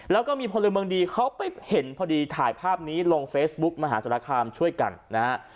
แล้วก็มีพลเมืองดีเขาไปเห็นพอดีถ่ายภาพนี้ลงเฟซบุ๊กมหาศาลคามช่วยกันนะฮะ